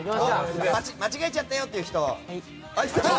間違えちゃったって人？